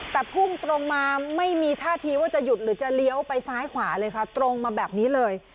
แต่พุ่งตรงมาไม่มีท่าทีว่าจะหยุดหรือจะเลี้ยวไปซ้ายขวาเลยค่ะตรงมาแบบนี้เลย